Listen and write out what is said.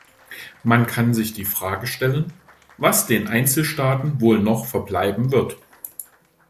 Man kann sich die Frage stellen, was den Einzelstaaten wohl noch verbleiben wird.